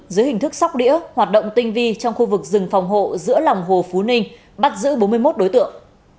dưới hình thức sóc đĩa hoạt động tinh vi trong khu vực rừng phòng hộ giữa lòng hồ phú ninh bắt giữ bốn mươi một đối tượng